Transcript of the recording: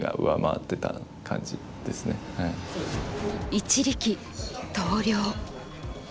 一力投了。